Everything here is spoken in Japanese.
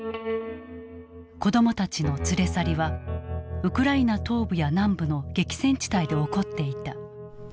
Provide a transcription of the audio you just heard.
子どもたちの連れ去りはウクライナ東部や南部の激戦地帯で起こっていた。